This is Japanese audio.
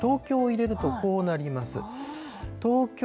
東京を入れるとこうなります。